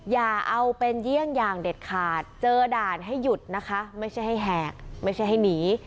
อย่าเอาเป็นเยี่ยงอย่างเด็ดขาดเจอด่านให้หยุดนะคะไม่ใช่ให้แหกไม่ใช่ให้หนี